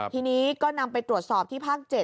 ทีนี้ก็นำไปตรวจสอบที่ภาค๗